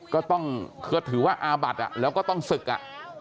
ก็ต้องคือถือว่าอาบัดแล้วก็ต้องศึกอ่ะ